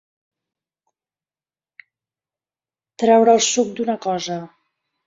Treure el suc d'una cosa.